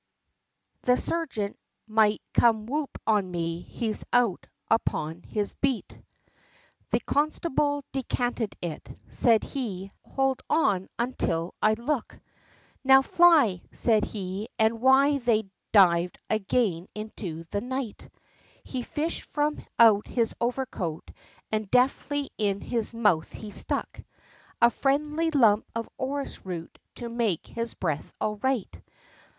The sergeant might come whop on me! he's out upon his beat." The constable decanted it, said he, "Howld on until I look, Now fly!" said he, and while they dived again into the night, He fished from out his overcoat, and deftly in his mouth he stuck, A friendly lump of orris root, to make his breath all right.